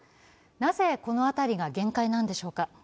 なぜこの辺りが限界なんでしょうか。